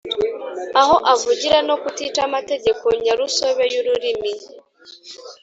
aho avugira no kutica amategeko nyarusobe y’ururimi